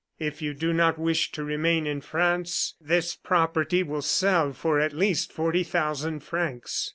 "If you do not wish to remain in France, this property will sell for at least forty thousand francs.